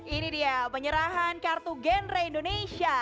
ini dia penyerahan kartu genre indonesia